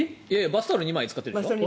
バスタオルを２枚使ってるんでしょ？